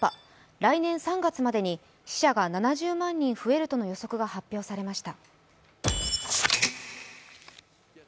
来年３月までに死者が７０万人増えるとの予測が発表されました。